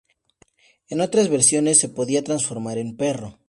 En otras versiones se podía transformar en perro.